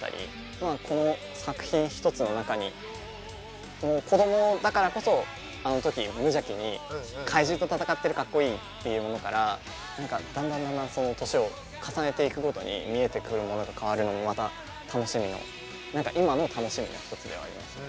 この作品一つの中に子供だからこそあの時無邪気に怪獣と戦ってるかっこいいっていうものから何かだんだんだんだん年を重ねていくごとに見えてくるものとかあるのもまた楽しみの何か今の楽しみの一つではありますね。